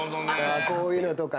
こういうのとかね。